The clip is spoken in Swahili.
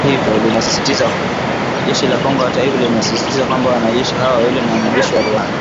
Jeshi la Kongo hata hivyo linasisitiza kwamba wanajeshi hao wawili ni wanajeshi wa Rwanda